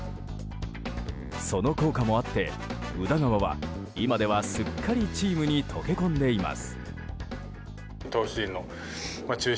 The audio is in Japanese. その効果もあって宇田川は今ではすっかりチームに溶け込んでいます。